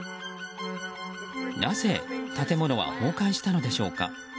なぜ建物は崩壊したのでしょうか。